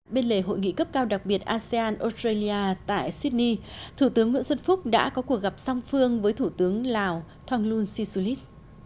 bên lề hội nghị cấp cao đặc biệt asean australia tại sydney thủ tướng nguyễn xuân phúc đã có cuộc gặp song phương với thủ tướng lào thonglun sisulit